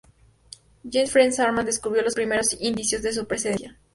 Johannes Franz Hartmann descubrió los primeros indicios de su presencia.